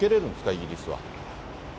イギリスは。